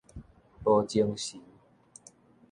無精神